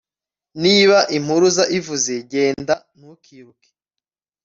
Niba impuruza ivuze genda ntukiruke